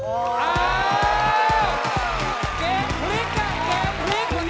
โอ้โห